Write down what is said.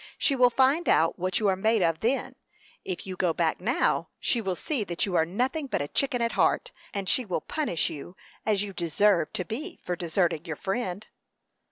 She will find out what you are made of then; if you go back now, she will see that you are nothing but a chicken at heart, and she will punish you, as you deserve to be for deserting your friend."